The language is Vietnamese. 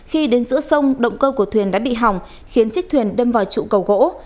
khi đến giữa sông động cơ của thuyền đã bị hỏng khiến chiếc thuyền đâm vào trụ cầu gỗ